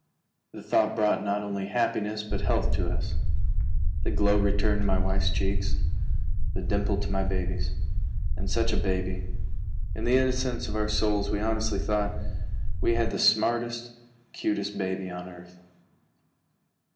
The thought brought not only happiness but health to us. The glow returned to my wife's cheek, the dimple to the baby's. And such a baby! In the innocence of our souls we honestly thought we had the smartest, cutest baby on earth.